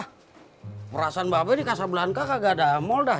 ah perasan bebe di kasablan kagak ada mall dah